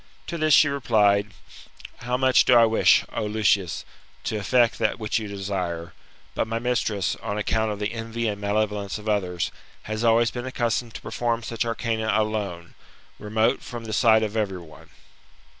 To this she replied, How much do I wish, O Lucius, to effect that which you desire; but my mistress, on account of the envy and malevolence of others, has always been accustomed to perform such arcana alone, remote from the sight of every one.